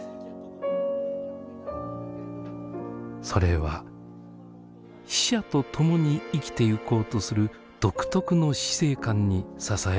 それは死者と共に生きてゆこうとする独特の死生観に支えられています。